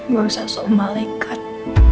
gak usah sok malaikat